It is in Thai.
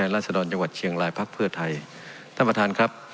งหาศรธรรยะวัดเชียงลายภาพเพื่อไทยท่านประธานครับ